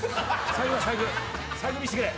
財布見せてくれ！